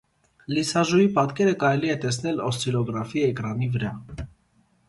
Լիսաժուի պատկերը կարելի է տեսնել օսցիլոգրաֆի էկրանի վրա։